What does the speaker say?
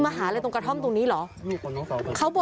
เพื่อนบ้านเจ้าหน้าที่อำรวจกู้ภัย